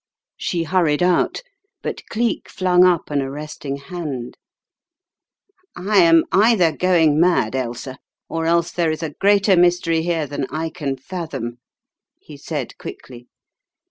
She hurried out, but Cleek flung up an arresting hand. "I am either going mad, Ailsa, or else there is a greater mystery here than I can fathom," he said quickly.